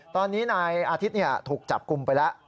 ตอนนี้นายอาทิตย์ถูกจับกลุ่มไปแล้ว